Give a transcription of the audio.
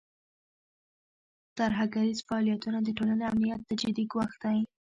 ترهګریز فعالیتونه د ټولنې امنیت ته جدي ګواښ دی.